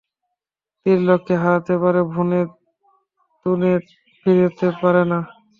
তীর লক্ষ্য হারাতে পারে তূণে ফিরতে পারে না।